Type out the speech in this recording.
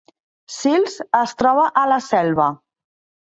Sils es troba a la Selva